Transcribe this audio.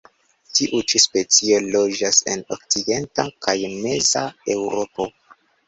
Tiu ĉi specio loĝas en okcidenta kaj meza Eŭropo.